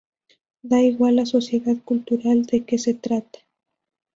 Da igual la sociedad cultural de que se trate.